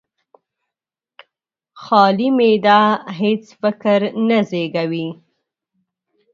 خالي معده هېڅ فکر نه زېږوي.